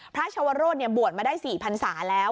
ชาวชวโรธบวชมาได้๔พันศาแล้ว